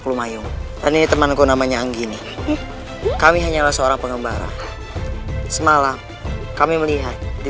susah sekali mencari kelinci